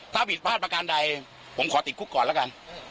ถ้าผิดพลาดประการใดผมขอติดคุกก่อนแล้วกัน